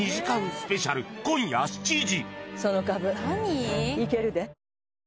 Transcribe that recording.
スペシャル今夜７時。